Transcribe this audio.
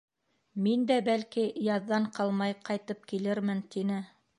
Мин дә, бәлки, яҙҙан ҡалмай ҡайтып килермен, — тине.